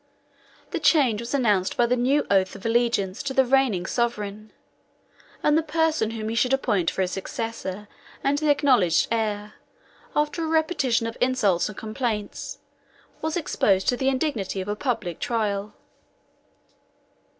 The change was announced by the new oath of allegiance to the reigning sovereign, and the person whom he should appoint for his successor; and the acknowledged heir, after a repetition of insults and complaints, was exposed to the indignity of a public trial.